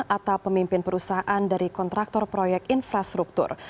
atau pemimpin perusahaan dari kontraktor proyek infrastruktur